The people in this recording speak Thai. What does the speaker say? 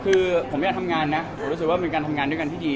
คือผมไม่อยากทำงานนะผมรู้สึกว่าเป็นการทำงานด้วยกันที่ดี